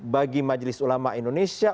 bagi majelis ulama indonesia